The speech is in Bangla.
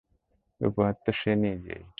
উপহার তো সে নিজেই।